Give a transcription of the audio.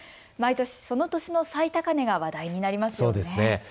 毎年、その年の最高値が話題になりますよね。